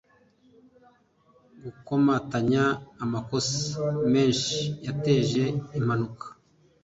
gukomatanya amakosa menshi yateje impanuka